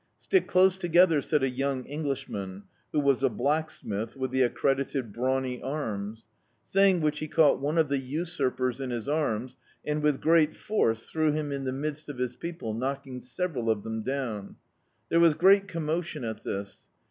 "Stick close to gether," said a young Englishman, who was a black smith, with the accredited brawny arms. Saying which he caught one of the usurpers in his arms, and with great force threw him in the midst of his people, knocking several of them down. There was great commotion at this.